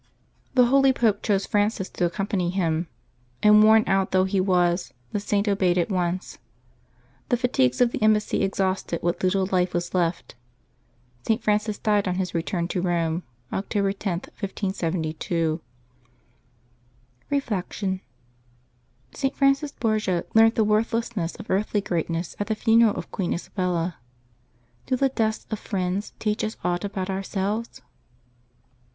The holy Pope chose Francis to accompany him, and, worn out though he was, the Saint obeyed at once. The fatigues of the embassy exhausted what little life was left. St. Francis died on his return to Rome, October 10, 1572. Reflection. — St. Francis Borgia learnt the worthlessness of earthly greatness at the funeral of Queen Isabella. Do the deaths of friends teach us aught about ourselves?